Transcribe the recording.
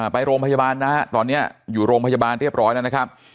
ไปโรงพยาบาลนะฮะตอนนี้อยู่โรงพยาบาลเรียบร้อยแล้วนะครับ